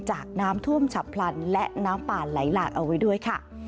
จากน้ำท่วมฉับพลันและน้ำป่าไหลหลากเอาไว้ด้วยค่ะ